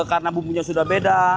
karena bumbunya sudah beda